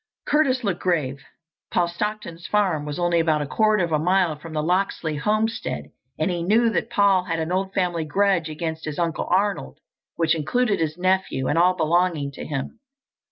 Curtis looked grave. Paul Stockton's farm was only about a quarter of a mile from the Locksley homestead, and he knew that Paul had an old family grudge against his Uncle Arnold, which included his nephew and all belonging to him.